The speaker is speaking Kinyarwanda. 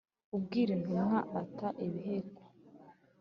Ubwira intumva ata ibiheko.